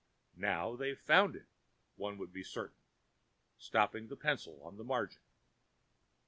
"Now they've found it," one would be certain, stopping the pencil on the margin.